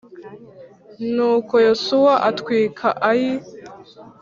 Nuko Yosuwa atwika Ayi